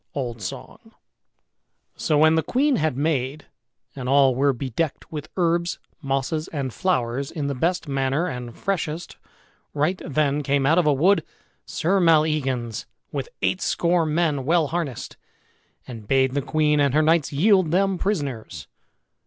Old Song. So when the queen had mayed, and all were bedecked with herbs, mosses, and flowers in the best manner and freshest, right then came out of a wood Sir Maleagans with eightscore men well harnessed, and bade the queen and her knights yield them prisoners.